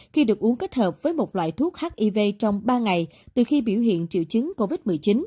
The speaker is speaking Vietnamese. khi được uống kết hợp với một loại thuốc hiv trong ba ngày từ khi biểu hiện triệu chứng covid một mươi chín